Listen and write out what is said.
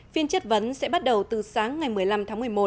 phiên chất vấn sẽ bắt đầu từ sáng ngày một mươi năm tháng một mươi một